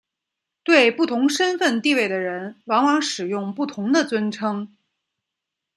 对不同身份地位的人往往使用不同的尊称。